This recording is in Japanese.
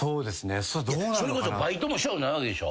それこそバイトもしたことないわけでしょ？